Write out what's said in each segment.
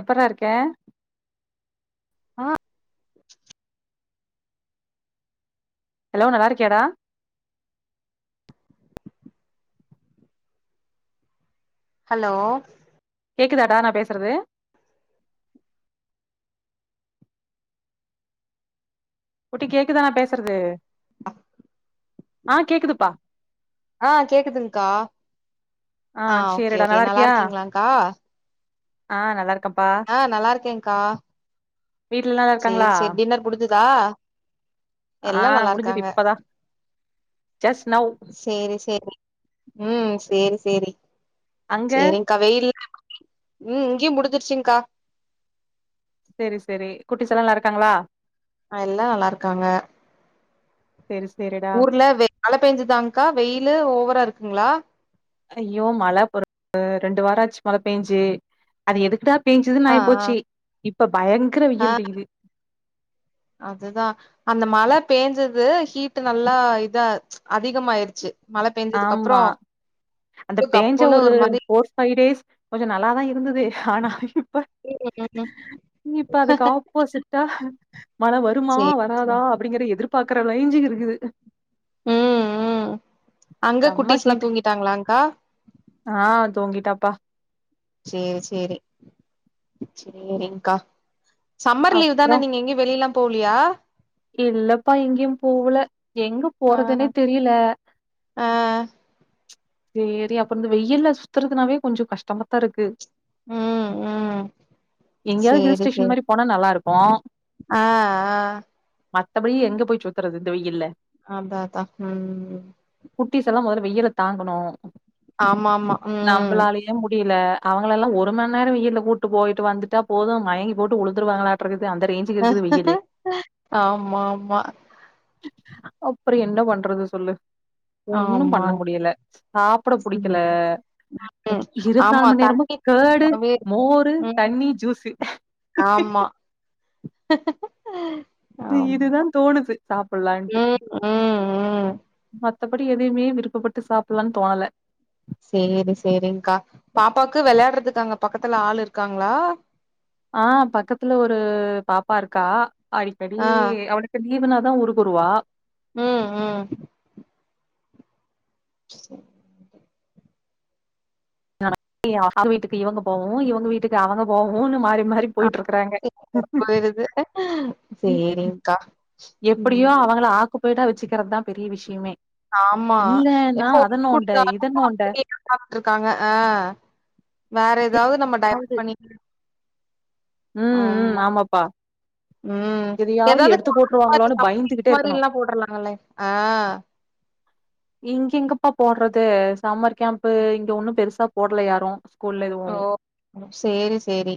எப்பற்ரா இருக்கெ ஆ ஹலோ நல்லா இருக்கியாடா ஹலோ கேக்குதா டா நா பேசுறது குட்டி கேக்குதா நா பேசுறது அ ஆ கேக்குதுப்பா ஆ கேக்குதுங்க்கா ஆ ஓகே ஓகே நல்லா இருக்கீங்களாங்கா ஆ நல்லா இருக்கம் ஆ நல்லா இருக்கேங்கா வீட்லல்லா நல்லா இருக்காங்களா சேரி சேரி டின்னர் முடுஞ்சுதா ஆ முடுஞ்சது இப்பதா ஜஸ் நௌவ் சேரி சேரி ம் சேரி சேரி அங்க ச்சேரி கா வெயில் ம் இங்கியு முடுஞ்சுர்ச்சுங்கா சேரி சேரி குட்டிஸெல்லா நல்லா இருக்காங்களா அ எல்லா நல்லா இருக்காங்க சேரி சேரிடா ஊர்ல வெ மழ பெஞ்சுதாங்கா வெயிலு ஓவரா இருக்குங்களா ஐயோ மழ பொ டு ரெண்டு வாரோ ஆச்சு மழ பேஞ்சு அது எதுக்குடா பேஞ்சுதுன்னு ஆ ஆய் ஆ போச்சீ இப்ப பயங்கர ஆ வெயில் பேயிது அதுதா அந்த மழை பேஞ்சுது ஹீட் நல்லா இதா அதிகமாயிருச்சு மழ பேஞ்சதுக்கு அப்றோ ஆமா அந்த பேஞ்ச கப்புன்னு ஒரு மாரி ஃபோர் ஃபை டேஸ் கொஞ்சொ நல்லாதா இருந்துது ஆனா இப்ப ம் இப்ப அதுக்கு ஆப் போசிட்டா மழ வருமா சேரி வராதா சேரி அப்டிங்கிற எதிர்பாக்கற ரேஞ்சுக்கு இருக்குது அ அங்க செம்ம குட்டீஸெல்லா ஹீட் தூங்கிட்டாங்களாங்கா ஆ தூங்கிட்டாப்பா சேரி சேரி சேரிங்கா சம்மர் லீவ் அப்றோ தான நீங்க எங்கெயு வெளியெல்லா போலையா இல்லப்பா எங்க்யும் போவல எங்க ஆ போறதுன்னே தெரியில்ல ஆ சேரி அப்பறொ இந்த வெயில்ல சுத்துறதுனாவே கொஞ்சொ கஷ்டமத்தா இருக்கு ம் ம் எங்கேயாவது ஹில் ஸ்டேஷன் மாரி போனா நல்லா இருக்கு அ அ மத்தபடி எங்க போய் சுத்துறது இந்த வெயில்ல அதா அதா ம் குட்டிஸ் எல்லா மொதல்ல வெயில தாங்கணு ஆமாமா ம் [unintelligible] முடியல அவங்களல்லா ஒரு மன்நேரோ வெயில கூட்டு போய்ட்டு வந்துட்டா போது மயங்கி போட்டு உழுந்துருவாங்களாட்டு இருக்குது அந்த ரே ஆமா ஆமா அப்பறோ என்ன பண்றது சொல்லு ஒண்ணு ஆமா பண்ண முடியல சாப்ட புடிக்கல ம் இருவத் ஆமா நாலு மண்நேரமு தண்ணி கர்டு வே மோரு ம் தண்ணி ஜூசு ஆமா [unintelligible] இதுதா ஆமா தோணுது சாப்லான்ட்டு ம் ம் ம் மத்தபடி எதையுமே விருப்பப்பட்டு சாப்லானு தோணல சேரி சேரி்ங்க்கா பாப்பாக்கு வெளையாடுறதுக்கு அங்க பக்கத்துல ஆள் இருக்காங்களா அ பக்கத்துல ஒரு பாப்பா இருக்கா அடிக்கடி ஆ அவனுக் [unintelligible] லீவுனாதா ஊருக்கு வருவா ம் ம் அவங்க வீட்டுக்கு இவங்க போவவு இவங்க வீட்டுக்கு அவங்க போவவுன்னு மாறி மாறி போயிட் இருக்கிறாங்க போயிருது சேரிங்க்கா ம் எப்டியோ அவங்கள ஆக் குபய்டா வச்சுக்கிறதுதா பெரிய விஷயமே ஆமா இல்லன்னா எப்ப அத [inaudible] நோண்ட குடுத்தாலு இத நோண்ட [inaudible] சாப்ட்ருக்காங்க அ வேற ஏதாவது நம்ம டைவட் பண்ணி ம் ம் ஆமா ஆமாப்பா ம் எதையாவது ஏதாவது எடுத்து போட்ருவாங்களோன்னு கார்ன் பயந்துகிட்டே மாறி இருக்கணு [inaudible] எல்லா போட்றாலாங்கல்லே அ இங்க எங்கப்பா போடுறது சம்மர் கேம்ப்பு இங்க ஒண்ணு பெருசா போடல யாரு ஸ்கூல்ல எதுவு ஓ சேரி சேரி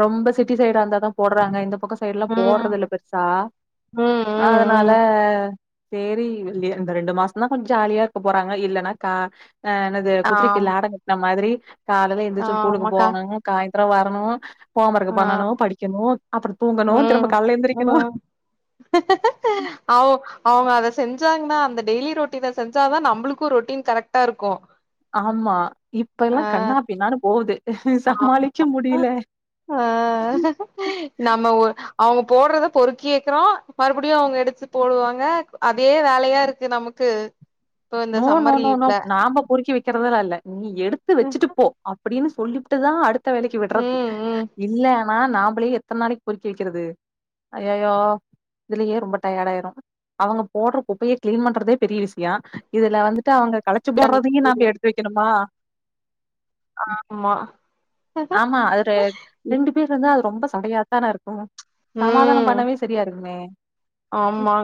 ரொம்ப சிட்டி சைடாருந்தா தா போடுறாங்க இந்த பக்க சைடுல்லா ம் போட்றதுல்ல பெருசா ம் ம் அதனால ம் சேரி இந்த ரெண்டு மாசதா கொஞ்சோ ஜாலியா இருக்க போறாங்க இல்லன்னா கா அ என்னது குதிரைக்கு ஆம் லாடம் கட்ன மாதிரி காலையல எந்திரிச்சது ஸ்கூலுக்கு ஆமாக்கா போகணு காயந்தர வரணு ஹோமர்க் ஆ பண்ணணு படிக்கணு அப்றோ தூங்கணு திரும்ப கால்ல எந்திரிக்கணு அவ அவங்க அத செஞ்சாங்கன்னா அந்த டெய்லி ரொட்டின செஞ்சாதா நம்மளுக்கு ரொட்டீன் கரெக்டா இருக்கு ஆமா இப்ப எல்லா கண்ணா பின்னானு போகுது சமாளிக்க முடியல அ நம்ம ஒ அவங்க போடுறத பொறுக்கியேக்குறோ மறுபடியு அவங்க எடுத்து போடுவாங்க அதே வேலையா இருக்கு நமக்கு இப்போ இந்த no no summer no no லீவ்ல நாம பொறுக்கி வைக்கிறதல்லா இல்ல நீ எடுத்து வச்சுட்டு போ அப்டின்னு சொல்லிட்டு தா அடு அடுத்த வேலைக்கு விடுறது ம் ம் இல்லனா நாமளே எத்தன நாளைக்கு பொறுக்கி வைக்கிறது அய்யயோ இதுலயே ரொம்ப டயர்டாயிரு அவங்க போடுற குப்பைய க்ளீன் பண்றதே பெரிய விஷயோ இதுல வந்துட்டு அவங்க கழச்சு போடுறதயு நாம எடுத்து வைக்கணுமா ஆமா ஆமா அது ரெண்டு பேர் இருந்தா அது ரொம்ப சடையாதான இருக்கு சமாதான ம் பண்ணவே சரியா இருக்குமே ம், ஆமா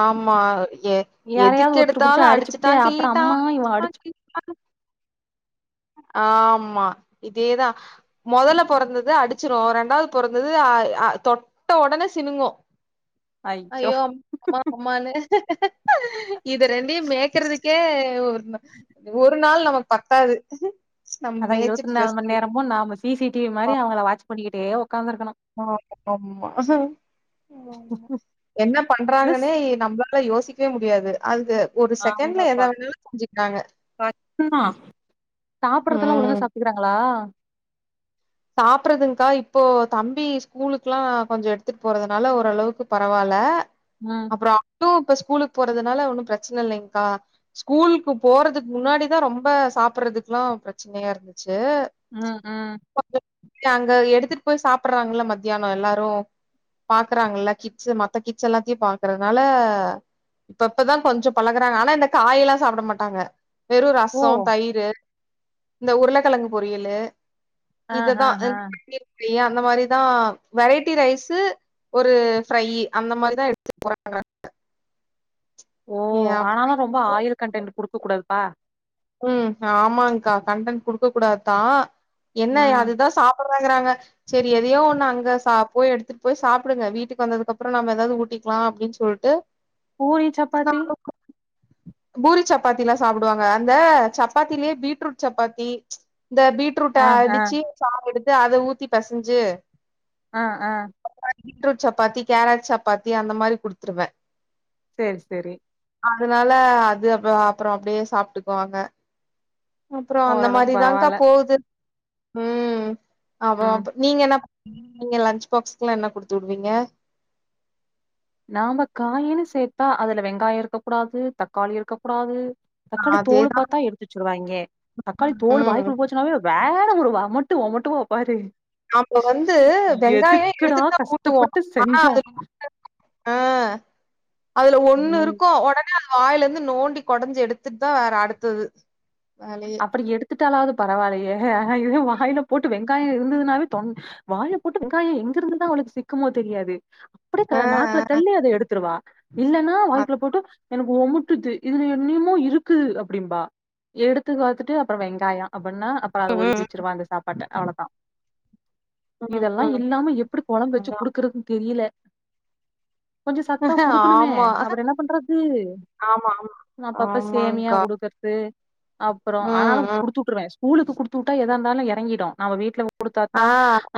ஆமா ஏ எதுக்கு யாரையாவது ஒருத்தர் புடிச்சு எடுத்தாலு அடிச்சுட்டா அடிச்சுப்புட்டு அப்புறோ கிள்ளிட்டா அம்மா இவ அடிச்சட்டா அடிச்சு கிள்ளிட்டானு ஆமா இதேதா முதல பொறந்தது அடிச்சிரு ரெண்டாவது பொறந்தது தொட்ட உடனே சினுங்கு ஐயோ அம்மா அம்மானு இத ரெண்டையு மேக்குறதுக்கே ஒரு நாள் ஒரு நாள் நமக்கு பத்தாது நம் அதா இருபத்தி மேய்ச்சிட்டு நாலு ரெஸ்ட் மணி எடு நேரமு நாம சிசிடிவி மாரி அவங்கல வாட்ச் பண்ணிக்கிட்டே உக்காந்து இருக்கணு ஆ ஆமா மிஸ் யோசிக்கவே முடியாது அதுக்கு ஒரு செகண்ட்ல ஆமாப்பா எதாவது செஞ்சுக்காங்க கஷ்டந்தா உம் இருக்கிறாங்ளா சாப்பறதுன்கா இப்போ தம்பி ஸ்கூலுக்குல்லா கொஞ்ச எடுத்துட்டு போறதுனால ஓரளவுக்கு பரவால உம் அப்ரோ அப்டுபஸ் இப்ப ஸ்கூலுக்கு போறதுனால ஒன்னு பிரச்சன இல்லைங்க்கா ஸ்கூலுக்கு போறதுக்கு முன்னாடிதா ரொம்ப சாப்படுறதுக்குல்லா பிரச்சனையா இருந்துச்சே ம் உம் அங்க எடுத்துட்டு போய் சாப்பிடுறாங்கல்ல மத்தியானோ எல்லாரு பாக்குறாங்கல்ல கிட்ஸ் மத்த கிட்ஸ் எல்லாத்தையு பாக்றதுனால இப்ப இப்பதா கொஞ்சோ பழகுறாங்க ஆனா இந்த காயெல்லா சாப்ட மாட்டாங்க வெறும் ஓ ரசோ தயிர் இந்த உருளக்கிழங்கு பொரியலு ஆ ஆ இததா ஆ [inaudible] அந்த மாதிரிதா வெரைட்டி ரைஸு ஒரு பிரை அந்த மாரிதா எடுத்து போறாங்க ஓ அப்புறம் ஆனாலு ரொம்ப ஆயில் கண்டன்ட் குடுக்க கூடாதுப்பா ஆமாங்கா கண்டன் குடுக்க கூடாதா என்ன ம் அதுதா சாப் டுவங்றாங்க சேரி எதயோ ஒன்னு அங்க சா போய் எடுத்துட்டு போய் சாப்டுங்க வீட்டுக்கு வந்ததுக்கப்ரோ நம்ம ஏதாவது ஊட்டிக்கிலா அப்டிஞ் சொல்ட்டு பூரி சப்பாத்தி பூரி சப்பாத்திலா சாப்டுவாங்க அந்த சப்பாத்திலயே பீட்ரூட் சப்பாத்தி இந்த பீட் ரூட்ட ஆ ஆ அடிச்சி சாவு எடுத்து அத ஊத்தி பெசஞ்சி அ அ பீட்ரூட் சப்பாத்தி கேரட் சப்பாத்தி அந்த மாரி குடுத்துருவ சேரி செரி அதனால அது அப்ப அப்போ அப்டியே சாப்டுக்குவாங்க அப்புரோ அந்த ஓரளவுக்கு மாரிதாகா பரவால்ல போகுது உம் அவ அவ்வ நீங்க என்ன நீங்க லன்ச் பாக்ஸ்க்குலா என்ன குடுத்து உடுவீங்க நாம காயின்னு சேத்தா அதுல வெங்காயோ இருக்க கூடாது தக்காளி இருக்க கூடாது தக்காளி தோல் அதேதான் பாத்தா எடுத்துச்சுருவாங்க தக்காளி தோல் வாய் ம். குல்ல போச்சுனே வேற வொமட்டு வொமட்டுவோ பாரு நாம வந்து வெங்காயோ எதுக்குடா எடுத்துட்டு தா கூட்டுவோ கஷ்டப்பட்டு ஆனா செஞ்சோ முன்ன ஆஹ் அதுல ஒண்ணு ம் இருக்கும் உட அது வாயில இருந்து நோண்டி குடைஞ்சு எடுத்துட்டு தான் வேற அடுத்தது வேலையே. அப்புடி எடுத்துட்டாலாவது பரவாயிலியே இத வாயில போட்டு வெங்காயம் இருந்ததுனாவே தொ வாய போட்டு வெங்காயம் எங்க இருந்துதான் அவளுக்கு சிக்குமோ தெரியாது ஆ, அப்படியே நாக்குல ஆ. தள்ளி அதை எடுத்துடுவா இல்லைன்னா வாய்க்குல போட்டு எனக்கு ஒமுட்டுது இதுல என்னையுமோ இருக்குது அப்டிம்பா எடுத்து காரத்துட்டு அப்புறம் வெங்காயம் அடின்னா அப்புறம் அது அதை ஒதுக்க ம், வச்சருவா அந்த சாப்பாட்டு அவ்வளோதான் ம், இதெல்லா ம். இல்லாம எப்படி குழம்பு வச்சு அதான். குடுக்குறதுன்னு தெரியல கொஞ்ச சத்தா குடுக்கணுமே ஆமா. அவர் என்ன பண்றது ஆமா, ஆமா. அப்பப்ப சேமியா ஆமாங்க்கா. குடுக்கறது அப்புறம் ம், ஆனாலும் ம். குடுத்துட்டுருவேன் ஸ்கூல்க்கு குடுத்து விட்டா எதாருந்தாலும் இறங்கிடும் நம் வீட்டுல ஆ, குடுத்தாதான்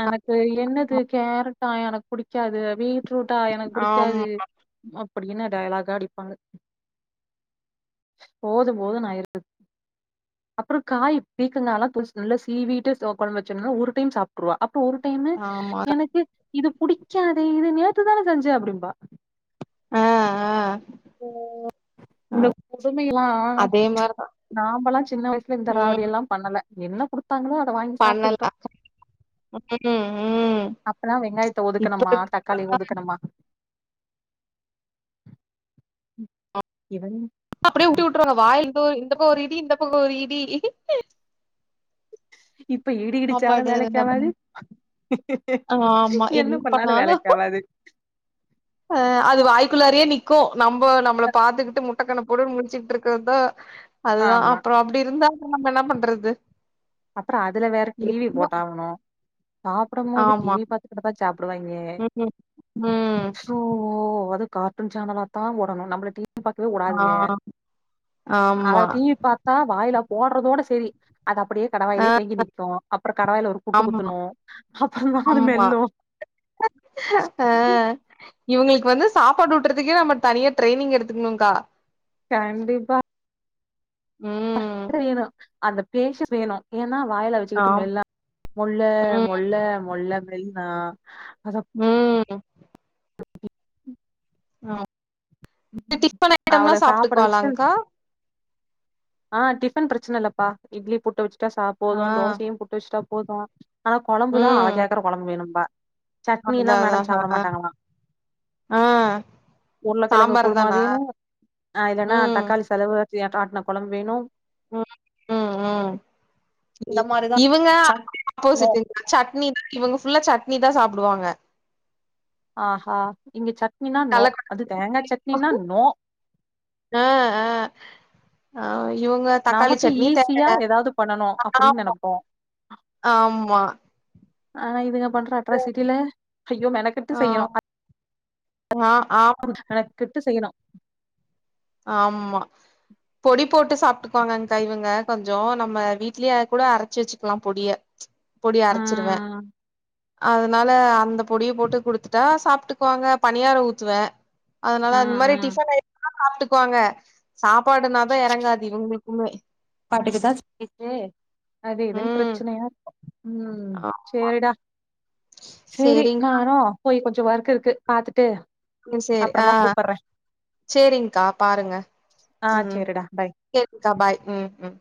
எனக்கு என்னது கேரட்டா எனக்கு புடிக்காது ஃப்ரூட்டா எனக்கு ஆமா, பிடிக்காது அப்படின்னு டயலாகு தான் அடிப்பாங்க போதும் போதும் ஆயிரும் அப்புறம் காய் பீக்கங்காலா நல்லா சீவிட்டு குழம்ப வச்சா ஒரு டைம் சாப்டுவா ஒரு டைமு ஆமாக்கா. எனக்கு இது புடிக்காதே இது நேத்துதானே செஞ்ச அப்படிம்பா ஆ உம் ஆ. உங்க கொடுமைல்லாம் அதே மாரிதான். நாமல்லாம் சின்ன வயசுல இந்த ம் ராவடியெல்லா பண்ணல என்ன குடுத்து எத கொடுத்தாங்களு பண்ணலாம் உம் உம் அப்பனா வெங்காயத்தை ஒதுக்கணுமா தக்காளி ஒதுக்கணுமா இவங்க அப்படியே ஊட்டி விட்டுறாங்க வா இந்த ஒரு இந்த பக்கம் ஒரு ரீதி இந்த பக்கம் ஒரு ரீதி இப்ப இடி இடிச்சாலும் சாப்பாடு வேலைக்க ஆவாது ஆஹ் ஆமா என்ன பண்ணாலும் அஹ் அது வாய்க்குள்ளாரே நிக்கும் நம்ம நம்மளை பார்த்துக்கிட்டு முட்டைக்கண ட முடிச்சுட்டு இருக்குறதுதா அதுதான் ஆமா அப்புறம் அப்படி இருந்தால நம்ம என்ன பண்றது அப்புறம் அதுல வேற டிவி போட்டகணும் சாப்பிடும் போது ஆமா டிவி பாத்த பாத்ததான் சாப்பிடுவாங்க ம் ம் சோ அது கார்ட்டூன் சேனலாத்தான் போடணும் நம்மள பக்கவே ஆ உடாதுங்க அத ஆமா பார்த்தா வாயில போடுறதோட சரி அது அப்படியே கடவாயிலயே தேங்கி நிற்க அப்புறம் கடவாயில ஒரு கூட்டு ஆமா குத்துனும் அப்புறம் தான் அது மெல்லும் ஆஹ் இவங்களுக்கு வந்து சாப்பாடு ஊட்டுறதுக்கே நம்ம தனியா ட்ரைனிங் எடுத்துக்கணும்கா கண்டிப்பா ம் வேணும் அந்த பேஷ வேணும் ஏன்னா வாயில வ ஆம் வச்சுக்கிட்டுமாம் முள்ள ம் மொல்ல மொல்ல மொன் உம் டிபன் ஐட்டம் அவள எல்லாம் சாப்பிட சாப்பிட்டுக்குவலாகா ஆஹ் டிஃபன் பிரச்சனை இல்லப்பா இட்லி புட்டு வச்சுட்டா சாப்போதும் ஆ தோசையும் புட்டு வச்சுட்டா போதும் ஆனா குழம்பு தான் அவ ம் கேட்குற குழம்பு வேணும்பா சட்னி அதா எல்லாம் அதா மேடம் ஆ சாப்பிட மாட்டாங்களாம் ஆ உருளக்கிழங்கு சாம்பார் குருமா தானா வேணும் அ இல்லன்னா ம் தக்காளி செலவு ஆத்தியான ஆட்ன கொழம்பு வேணும் ம் ம் உம் இந்த இ மாரிதா இவுங்க சட் நோ ஆப்போசிட்டுங் சட்னி தான் இவங்க ஃபுல்லா சட்னி தான் சாப்டுவாங்க ஆஹா இங்க சட்னினா நோ கல்லக்கொட்ட அது தேங்காய் சட்னினா நோ ஆ அ ஆ இவுங்க தக்காளி நமக்கு சட்னி த ஈஸியா ஏதாவது பண்ணனு [inaudible] அப்பறோ அப்டின்னு நெனப்போ ஆமா ஆனா இதுங்க பண்ற அட்ராசிட்டில ஐயோ மெனக்கெட்டு ஆ செய்யணும் ஆ ஆம் கெட்டு செய்யணும் ஆமா பொடி போட்டு சாப்டுக்குவாங்க அந்த இவுங்க கொஞ்சம் நம்ம வீட்லயே கூட அரச்சு வச்சுக்கலாம் பொடிய பொடிய அரச்சிருவேன் ம் அ அதனால அந்த பொடிய போட்டு குடுத்துட்டா சாப்ட்டுக்குவாங்க பனியாரொ ஊத்துவேன் அதனால அந்த ம் மாரி ம் டிஃபன் ஐட்டம்னா சாப்ட்டுக்குவாங்க சாப்பாடுனாதா எறங்காது இவுங்களுக்குமே சாப்பாட்டுட்டுதா [inaudible] அது எதுன்னு ம் பிரச்சனயா இருக்கும் உம் ஆ சேரிடா செரி சேரிங்க்கா நனும் போய் கொஞ்சம் ஒர்க் இருக்கு பாத்துட்டு ம் சரி ஆ அப்புறமா கூப்பட்றே சேரிங்க்கா பாருங்க ஆ உம் சேரிடா பாய் சேர்க்கா பாய் உம் உம்